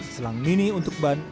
selang mini untuk ban